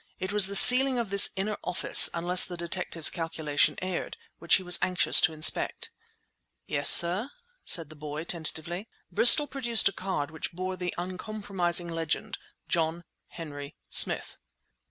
It was the ceiling of this inner office, unless the detective's calculation erred, which he was anxious to inspect. "Yes, sir?" said the boy tentatively. Bristol produced a card which bore the uncompromising legend: John Henry Smith.